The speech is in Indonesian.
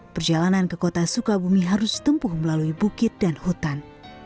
perjalanan ke kota sukabumi harus tempuh melalui bukit dan hutan